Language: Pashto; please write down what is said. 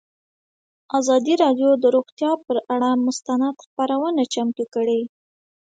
ازادي راډیو د روغتیا پر اړه مستند خپرونه چمتو کړې.